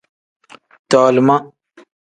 Tolima.